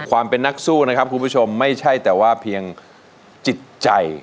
ความเป็นนักสู้นะครับคุณผู้ชมไม่ใช่แต่ว่าเพียงจิตใจ